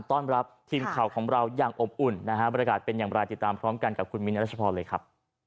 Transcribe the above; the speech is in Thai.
ต้อนรับทีมข่าวของเราอย่างอบอุ่นนะฮะบรรยากาศเป็นอย่างไรติดตามพร้อมกันกับคุณมิ้นรัชพรเลยครับ